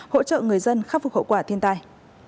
hỗ trợ người dân khắc phục hậu quả thiên tai